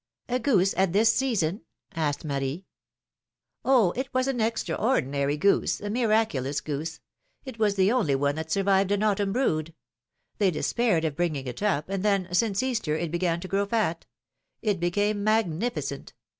goose at this season ? asked Marie. Oh ! it was an extraordinary goose — a miraculous goose! It was the only one that survived an autumn brood. They despaired of bringing it up, and then, since Easter, it began to grow fat; it became magnificent.